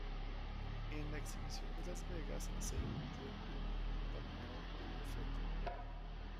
En la exhibición de Las Vegas, se incluyó el pulmón contaminado de un feto.